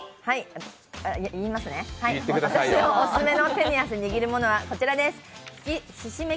私のオススメの手に汗握るものはこれです。